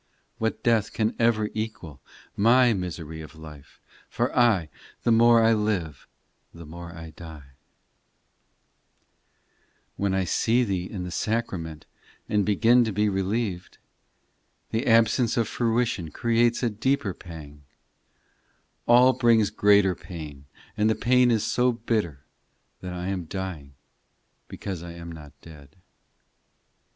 What death can ever equal My misery of life ? For I, the more I live, the more I die. 265 266 POEMS When I see Thee in the Sacrament And begin to be relieved, The absence of fruition Creates a deeper pang ; All brings greater pain, And the pain is so bitter That I am dying because I am not dead.